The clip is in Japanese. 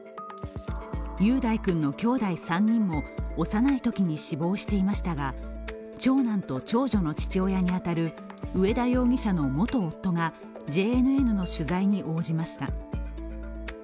雄大君のきょうだい３人も幼いときに死亡していましたが長男と長女の父親に当たる、上田容疑者の元夫がＪＮＮの取材に応じました。